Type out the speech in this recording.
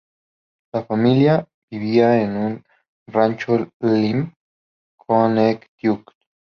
La familia vivía en un rancho en Lyme, Connecticut.